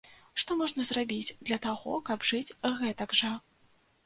Што можна зрабіць для таго, каб жыць гэтак жа?